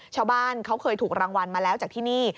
ชาวบ้านเขาเคยถูกรางวัลมาแล้วจากที่นี่